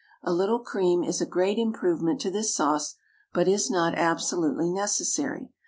A little cream is a great improvement to this sauce, but is not absolutely necessary.